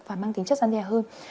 và mang tính chất gián đeo hơn